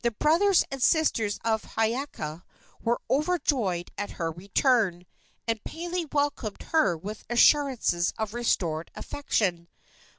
The brothers and sisters of Hiiaka were overjoyed at her return, and Pele welcomed her with assurances of restored affection.